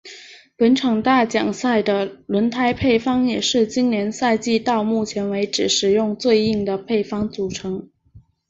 本场大奖赛的轮胎配方也是今年赛季到目前为止使用最硬的配方组合。